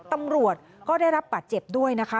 ตำรวจก็ได้รับบาดเจ็บด้วยนะคะ